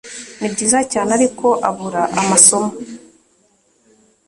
Nibyiza cyane, ariko abura amasomo.